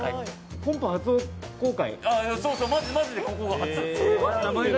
本邦初公開？